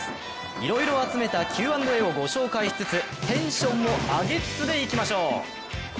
いろいろ集めたＱ＆Ａをご紹介しつつテンションも上げつつでいきましょう。